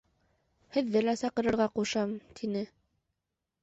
Һеҙҙе лә саҡырырға ҡушам, — тине.